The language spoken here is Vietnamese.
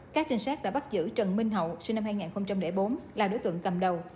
các trinh sát đã bắt giữ trần minh hậu sinh năm hai nghìn bốn là đối tượng cầm đầu